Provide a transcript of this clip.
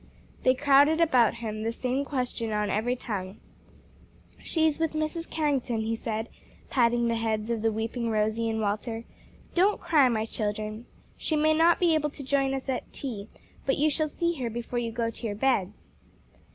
They crowded about him, the same question on every tongue. "She is with Mrs. Carrington," he said, patting the heads of the weeping Rosie and Walter. "Don't cry, my children. She may not be able to join us at tea, but you shall see her before you go to your beds."